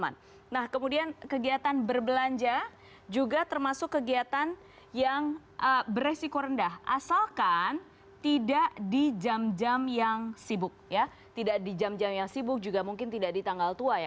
tidak di jam jam yang sibuk juga mungkin tidak di tanggal tua ya